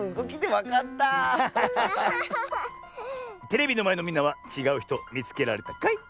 テレビのまえのみんなはちがうひとみつけられたかい？